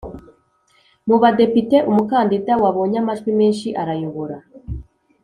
mu badepite umukandida wabonye amajwi menshi arayobora